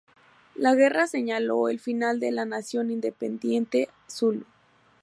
La guerra señaló el final de la nación independiente zulú.